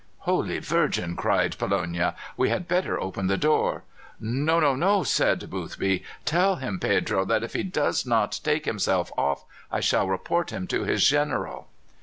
"Holy Virgin!" cried Pollonia. "We had better open the door." "No, no, no!" said Boothby. "Tell him, Pedro, that if he does not take himself off I shall report him to his General."